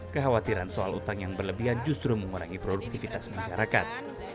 kekhawatiran soal utang yang berlebihan justru mengurangi produktivitas masyarakat